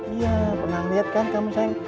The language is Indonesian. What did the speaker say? iya pernah ngeliat kan kamu sayang